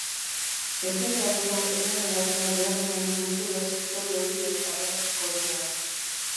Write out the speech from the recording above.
Etengabeko eguneratzea behar duen kultura sektore horiek aberastuko dira.